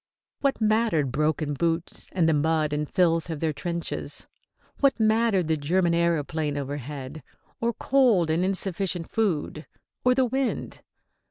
What mattered broken boots and the mud and filth of their trenches? What mattered the German aëroplane overhead? Or cold and insufficient food? Or the wind?